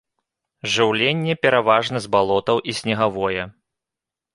Жыўленне пераважна з балотаў і снегавое.